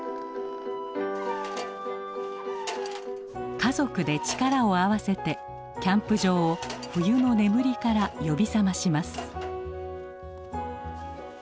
家族で力を合わせてキャンプ場を冬の眠りから呼び覚まします。